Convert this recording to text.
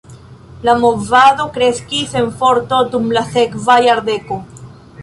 La movado kreskis en forto dum la sekva jardeko.